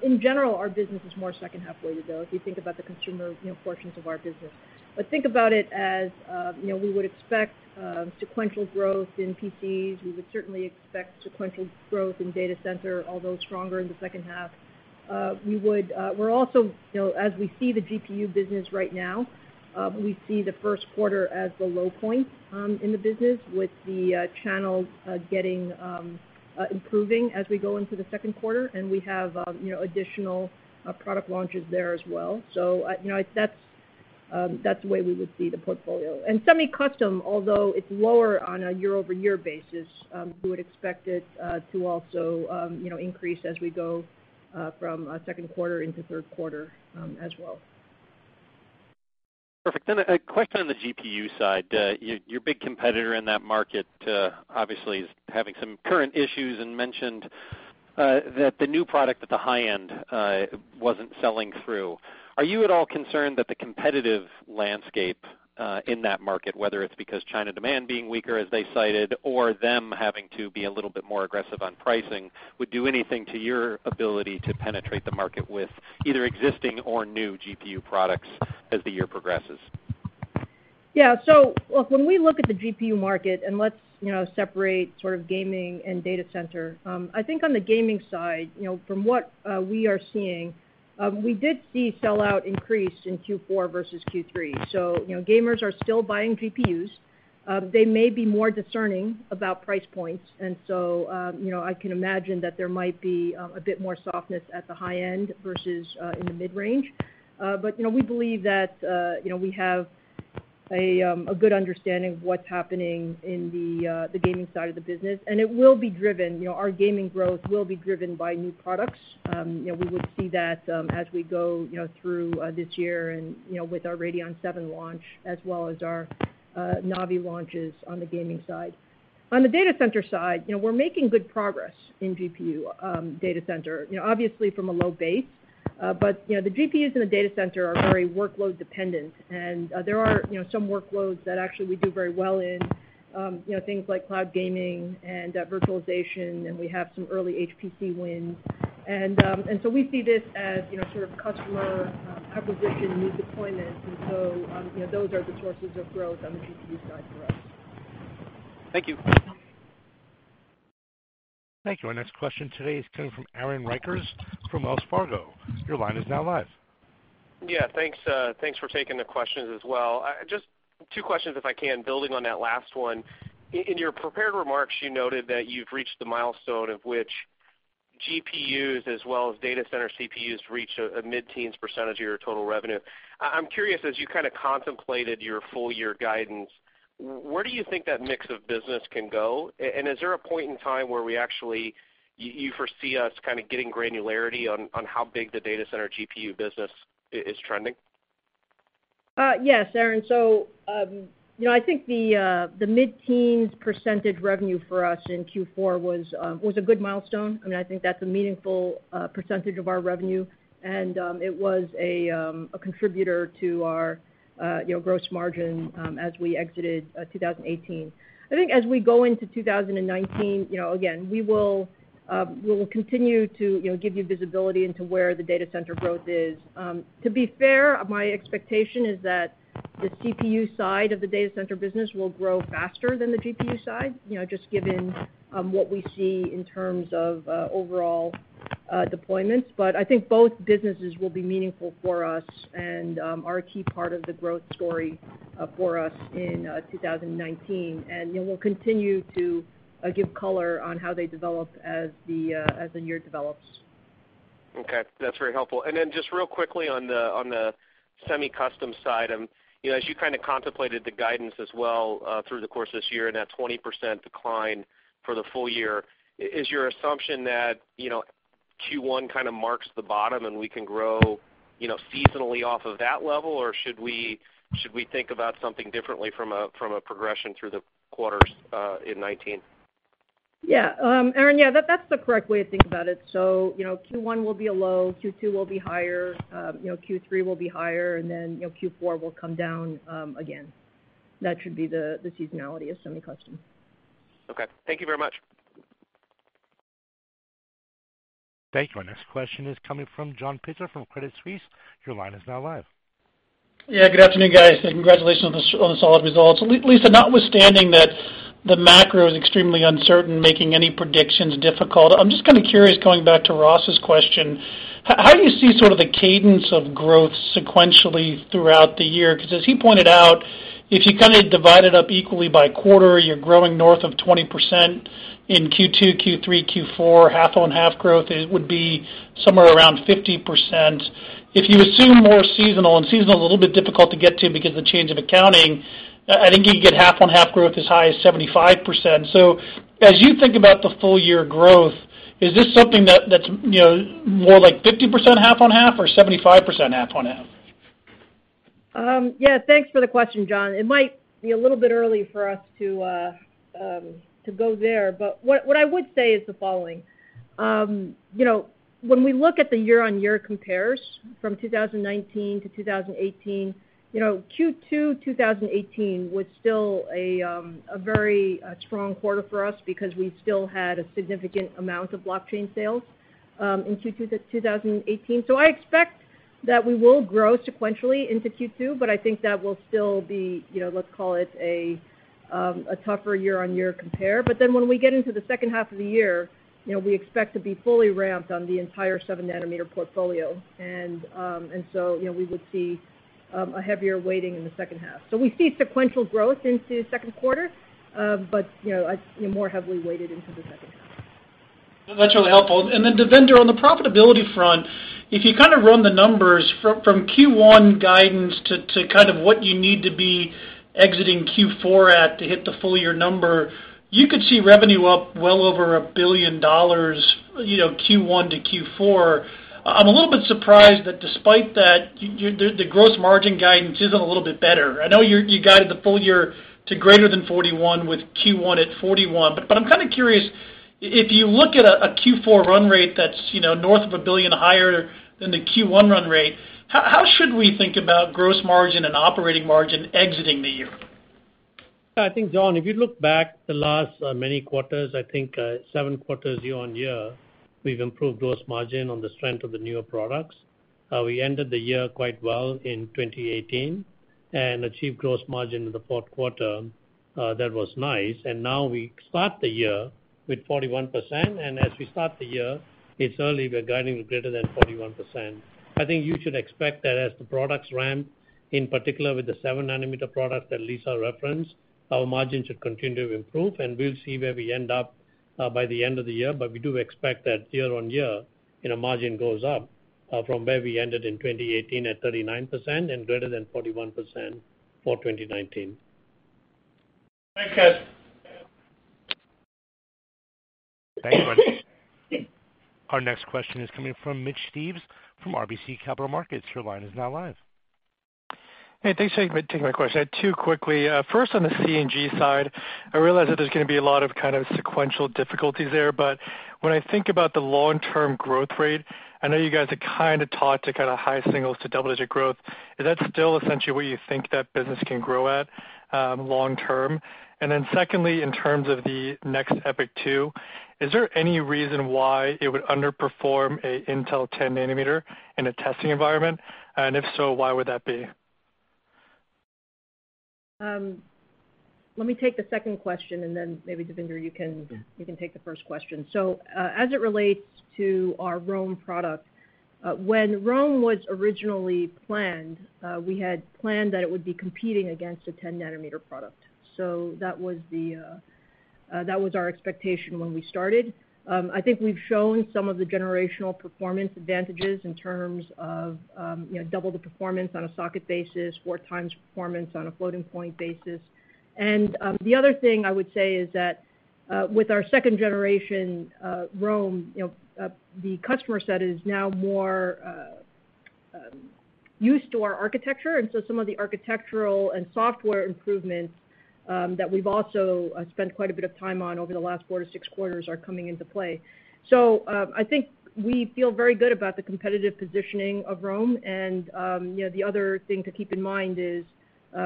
In general, our business is more second half weighted, though, if you think about the consumer portions of our business. Think about it as we would expect sequential growth in PCs. We would certainly expect sequential growth in data center, although stronger in the second half. As we see the GPU business right now, we see the first quarter as the low point in the business with the channel improving as we go into the second quarter, and we have additional product launches there as well. That's the way we would see the portfolio. Semi-custom, although it's lower on a year-over-year basis, we would expect it to also increase as we go from second quarter into third quarter as well. Perfect. A question on the GPU side. Your big competitor in that market obviously is having some current issues and mentioned that the new product at the high end wasn't selling through. Are you at all concerned that the competitive landscape in that market, whether it's because China demand being weaker as they cited, or them having to be a little bit more aggressive on pricing, would do anything to your ability to penetrate the market with either existing or new GPU products as the year progresses? Yeah. Look, when we look at the GPU market, and let's separate gaming and data center, I think on the gaming side, from what we are seeing, we did see sell-out increase in Q4 versus Q3. Gamers are still buying GPUs. They may be more discerning about price points. I can imagine that there might be a bit more softness at the high end versus in the mid-range. We believe that we have a good understanding of what's happening in the gaming side of the business. Our gaming growth will be driven by new products. We would see that as we go through this year and with our Radeon VII launch, as well as our Navi launches on the gaming side. On the data center side, we're making good progress in GPU data center. Obviously, from a low base. The GPUs in the data center are very workload dependent, and there are some workloads that actually we do very well in, things like cloud gaming and virtualization, and we have some early HPC wins. We see this as sort of customer acquisition, new deployments. Those are the sources of growth on the GPU side for us. Thank you. Thank you. Our next question today is coming from Aaron Rakers from Wells Fargo. Your line is now live. Thanks for taking the questions as well. Just two questions, if I can, building on that last one. In your prepared remarks, you noted that you've reached the milestone of which GPUs, as well as data center CPUs, reached a mid-teens% of your total revenue. I'm curious, as you kind of contemplated your full-year guidance, where do you think that mix of business can go? Is there a point in time where you foresee us getting granularity on how big the data center GPU business is trending? Yes, Aaron. I think the mid-teens% revenue for us in Q4 was a good milestone. I think that's a meaningful percentage of our revenue, and it was a contributor to our gross margin as we exited 2018. I think as we go into 2019, again, we will continue to give you visibility into where the data center growth is. To be fair, my expectation is that the CPU side of the data center business will grow faster than the GPU side, just given what we see in terms of overall deployments. I think both businesses will be meaningful for us and are a key part of the growth story for us in 2019. We'll continue to give color on how they develop as the year develops. Okay. That's very helpful. Just real quickly on the semi-custom side, as you kind of contemplated the guidance as well through the course of this year and that 20% decline for the full-year, is your assumption that Q1 kind of marks the bottom and we can grow seasonally off of that level, or should we think about something differently from a progression through the quarters in 2019? Aaron, that's the correct way to think about it. Q1 will be a low, Q2 will be higher, Q3 will be higher, Q4 will come down again. That should be the seasonality of semi-custom. Okay. Thank you very much. Thank you. Our next question is coming from John Pitzer from Credit Suisse. Your line is now live. Good afternoon, guys, and congratulations on the solid results. Lisa, notwithstanding that the macro is extremely uncertain, making any predictions difficult, I am just kind of curious, going back to Ross's question, how do you see sort of the cadence of growth sequentially throughout the year? Because as he pointed out, if you kind of divide it up equally by quarter, you are growing north of 20% in Q2, Q3, Q4, half-on-half growth, it would be somewhere around 50%. If you assume more seasonal, and seasonal is a little bit difficult to get to because of the change of accounting, I think you can get half-on-half growth as high as 75%. As you think about the full year growth, is this something that is more like 50% half-on-half or 75% half-on-half? Thanks for the question, John. It might be a little bit early for us to go there, but what I would say is the following. When we look at the year-on-year compares from 2019 to 2018, Q2 2018 was still a very strong quarter for us because we still had a significant amount of blockchain sales in Q2 2018. I expect that we will grow sequentially into Q2, but I think that will still be, let's call it, a tougher year-on-year compare. When we get into the second half of the year, we expect to be fully ramped on the entire seven nanometer portfolio. We would see a heavier weighting in the second half. We see sequential growth into the second quarter, but more heavily weighted into the second half. That's really helpful. Devinder, on the profitability front, if you run the numbers from Q1 guidance to what you need to be exiting Q4 at to hit the full year number. You could see revenue up well over $1 billion Q1 to Q4. I'm a little bit surprised that despite that, the gross margin guidance isn't a little bit better. I know you guided the full year to greater than 41% with Q1 at 41%. I'm kind of curious, if you look at a Q4 run rate that's north of $1 billion higher than the Q1 run rate, how should we think about gross margin and operating margin exiting the year? I think, John, if you look back the last many quarters, I think seven quarters year-over-year, we've improved gross margin on the strength of the newer products. We ended the year quite well in 2018 and achieved gross margin in the fourth quarter. That was nice. Now we start the year with 41%, and as we start the year, it's early, we're guiding with greater than 41%. I think you should expect that as the products ramp, in particular with the seven nanometer product that Lisa referenced, our margin should continue to improve, and we'll see where we end up by the end of the year. We do expect that year-over-year, margin goes up from where we ended in 2018 at 39% and greater than 41% for 2019. Thanks. Thank you. Our next question is coming from Mitch Steves from RBC Capital Markets. Your line is now live. Hey, thanks. Taking my question. I had two quickly. First, on the C&G side, I realize that there's going to be a lot of sequential difficulties there, when I think about the long-term growth rate, I know you guys have talked to kind of high singles to double-digit growth. Is that still essentially where you think that business can grow at long term? Secondly, in terms of the next EPYC 2, is there any reason why it would underperform an Intel 10 nanometer in a testing environment? If so, why would that be? Let me take the second question, and then maybe, Devinder, you can take the first question. As it relates to our Rome product, when Rome was originally planned, we had planned that it would be competing against a 10 nanometer product. That was our expectation when we started. I think we've shown some of the generational performance advantages in terms of double the performance on a socket basis, four times performance on a floating point basis. The other thing I would say is that with our second generation Rome, the customer set is now more used to our architecture, and so some of the architectural and software improvements that we've also spent quite a bit of time on over the last four to six quarters are coming into play. I think we feel very good about the competitive positioning of Rome, and the other thing to keep in mind is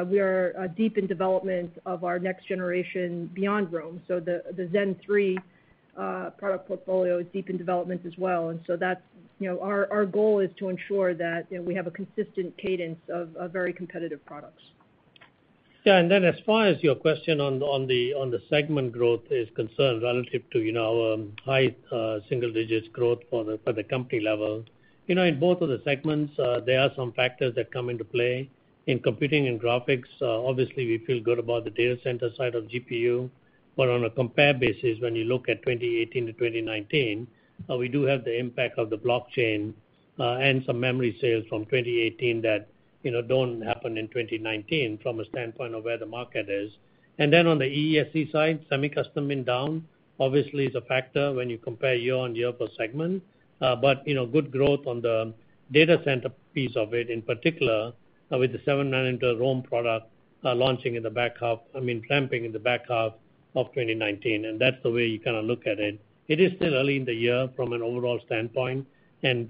we are deep in development of our next generation beyond Rome. The Zen 3 product portfolio is deep in development as well, and so our goal is to ensure that we have a consistent cadence of very competitive products. Yeah, as far as your question on the segment growth is concerned relative to high single-digit growth for the company level. In both of the segments, there are some factors that come into play. In Computing and Graphics, obviously, we feel good about the data center side of GPU, but on a compare basis, when you look at 2018 to 2019, we do have the impact of the blockchain and some memory sales from 2018 that don't happen in 2019 from a standpoint of where the market is. On the EESC side, semi-custom being down obviously is a factor when you compare year-on-year per segment. Good growth on the data center piece of it, in particular with the seven nanometer Rome product launching in the back half, ramping in the back half of 2019, and that's the way you kind of look at it. It is still early in the year from an overall standpoint, and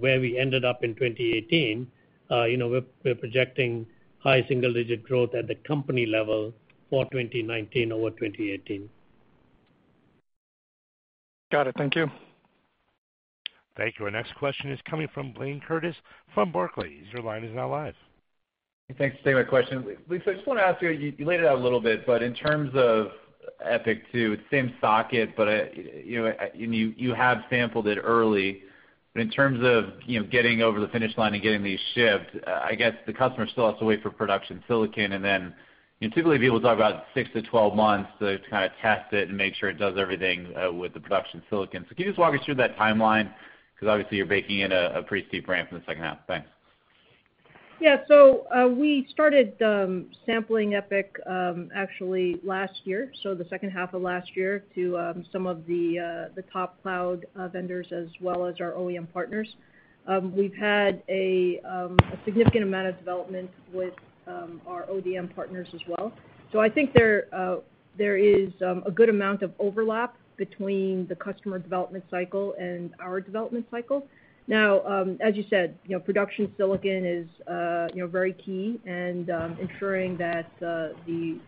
where we ended up in 2018, we're projecting high single-digit growth at the company level for 2019 over 2018. Got it. Thank you. Thank you. Our next question is coming from Blayne Curtis from Barclays. Your line is now live. Thanks. Taking my question. Lisa, I just want to ask you laid it out a little bit, in terms of EPYC 2, it's the same socket, you have sampled it early, in terms of getting over the finish line and getting these shipped, I guess the customer still has to wait for production silicon, and then typically people talk about 6-12 months to kind of test it and make sure it does everything with the production silicon. Can you just walk me through that timeline? Obviously you're baking in a pretty steep ramp in the second half. Thanks. Yeah. We started sampling EPYC actually last year, so the second half of last year to some of the top cloud vendors as well as our OEM partners. We've had a significant amount of development with our ODM partners as well. I think there is a good amount of overlap between the customer development cycle and our development cycle. Now, as you said, production silicon is very key, and ensuring that the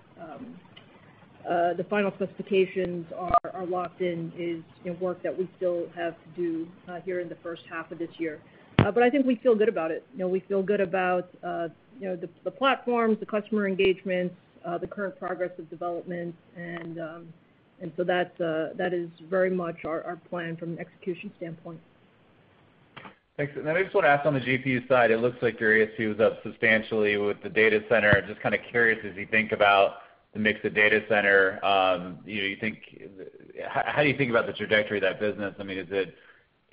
final specifications are locked in is work that we still have to do here in the first half of this year. I think we feel good about it. We feel good about the platforms, the customer engagements, the current progress of development, that is very much our plan from an execution standpoint. Thanks. I just want to ask on the GPU side, it looks like your ASP was up substantially with the data center. Just kind of curious as you think about the mix of data center, how do you think about the trajectory of that business?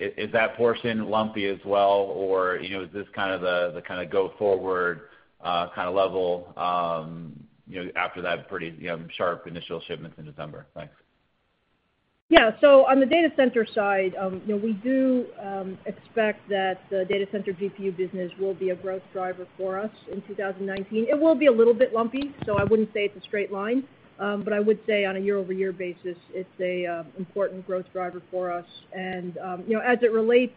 Is that portion lumpy as well or is this the kind of go forward level after that pretty sharp initial shipments in December? Thanks. Yeah. On the data center side, we do expect that the data center GPU business will be a growth driver for us in 2019. It will be a little bit lumpy, so I wouldn't say it's a straight line. I would say on a year-over-year basis, it's an important growth driver for us. As it relates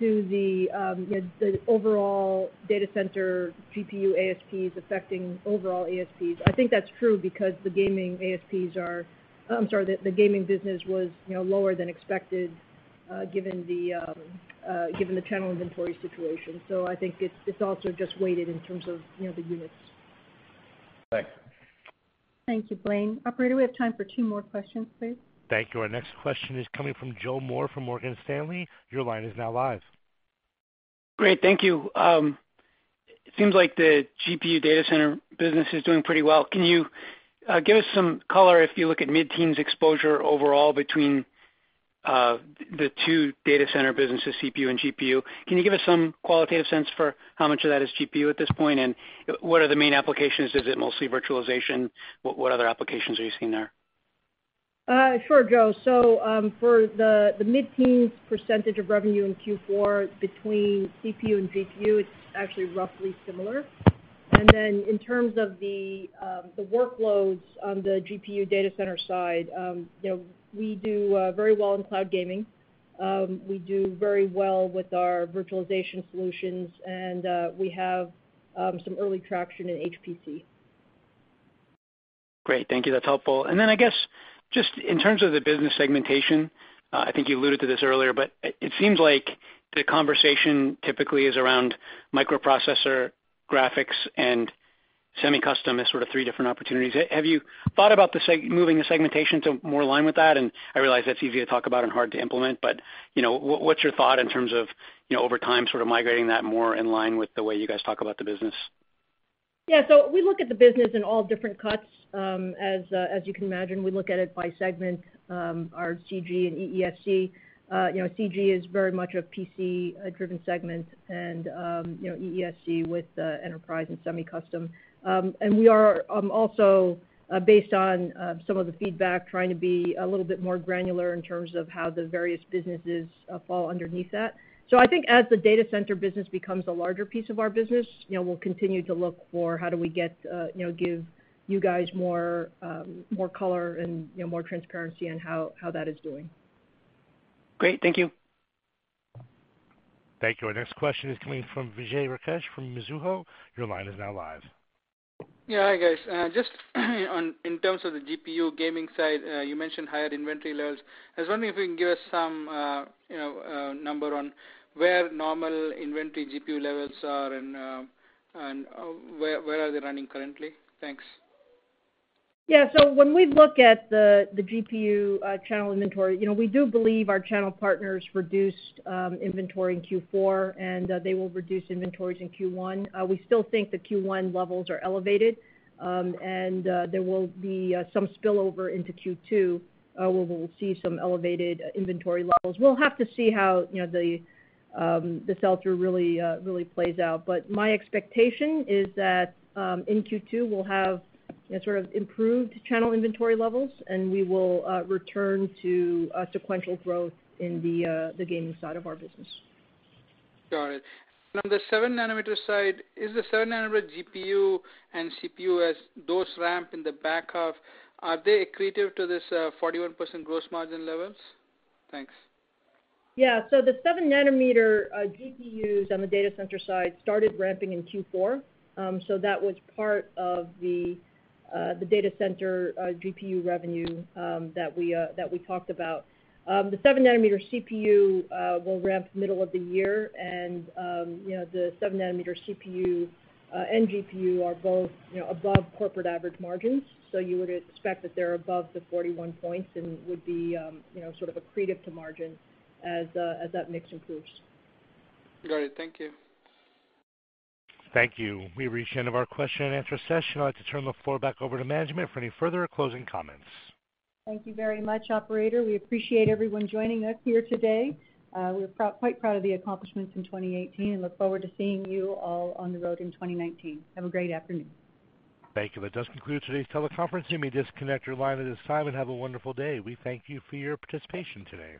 to the overall data center GPU ASPs affecting overall ASPs, I think that's true because the gaming business was lower than expected given the channel inventory situation. I think it's also just weighted in terms of the units. Thanks. Thank you, Blayne. Operator, we have time for two more questions, please. Thank you. Our next question is coming from Joseph Moore from Morgan Stanley. Your line is now live. Great. Thank you. It seems like the GPU data center business is doing pretty well. Can you give us some color if you look at mid-teens exposure overall between the two data center businesses, CPU and GPU? Can you give us some qualitative sense for how much of that is GPU at this point, and what are the main applications? Is it mostly virtualization? What other applications are you seeing there? Sure, Joe. For the mid-teens percentage of revenue in Q4 between CPU and GPU, it's actually roughly similar. In terms of the workloads on the GPU data center side, we do very well in cloud gaming. We do very well with our virtualization solutions, and we have some early traction in HPC. Great. Thank you. That's helpful. I guess, just in terms of the business segmentation, I think you alluded to this earlier, but it seems like the conversation typically is around microprocessor, graphics, and semi-custom as sort of three different opportunities. Have you thought about moving the segmentation to more align with that? I realize that's easy to talk about and hard to implement, but what's your thought in terms of over time, sort of migrating that more in line with the way you guys talk about the business? Yeah. We look at the business in all different cuts, as you can imagine. We look at it by segment, our CG and EESC. CG is very much a PC-driven segment, and EESC with enterprise and semi-custom. We are also, based on some of the feedback, trying to be a little bit more granular in terms of how the various businesses fall underneath that. I think as the data center business becomes a larger piece of our business, we'll continue to look for how do we give you guys more color and more transparency on how that is doing. Great. Thank you. Thank you. Our next question is coming from Vijay Rakesh from Mizuho. Your line is now live. Hi, guys. Just in terms of the GPU gaming side, you mentioned higher inventory levels. I was wondering if you can give us some number on where normal inventory GPU levels are and where are they running currently. Thanks. When we look at the GPU channel inventory, we do believe our channel partners reduced inventory in Q4, and they will reduce inventories in Q1. We still think the Q1 levels are elevated, and there will be some spillover into Q2, where we'll see some elevated inventory levels. We'll have to see how the sell-through really plays out. My expectation is that in Q2, we'll have sort of improved channel inventory levels, and we will return to sequential growth in the gaming side of our business. Got it. On the 7-nanometer side, is the 7-nanometer GPU and CPU, as those ramp in the back half, are they accretive to this 41% gross margin levels? Thanks. Yeah. The 7-nanometer GPUs on the data center side started ramping in Q4. That was part of the data center GPU revenue that we talked about. The 7-nanometer CPU will ramp middle of the year. The 7-nanometer CPU and GPU are both above corporate average margins. You would expect that they're above the 41 points and would be sort of accretive to margin as that mix improves. Got it. Thank you. Thank you. We've reached the end of our question and answer session. I'd like to turn the floor back over to management for any further closing comments. Thank you very much, operator. We appreciate everyone joining us here today. We're quite proud of the accomplishments in 2018 and look forward to seeing you all on the road in 2019. Have a great afternoon. Thank you. That does conclude today's teleconference. You may disconnect your line at this time, and have a wonderful day. We thank you for your participation today.